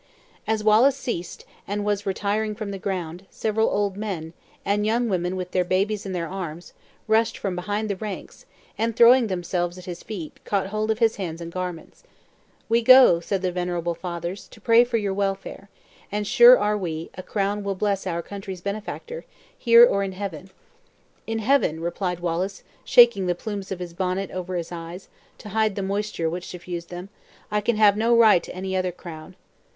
As Wallace ceased, and was retiring from the ground, several old men, and young women with their babes in their arms, rushed from behind the ranks, and throwing themselves at his feet, caught hold of his hands and garments. "We go," said the venerable fathers, "to pray for your welfare; and sure we are, a crown will bless our country's benefactor, here or in heaven!" "In heaven," replied Wallace, shaking the plumes of his bonnet over his eyes, to hide the moisture which suffused them; "I can have no right to any other crown."